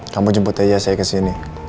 kamu jemput aja saya ke sini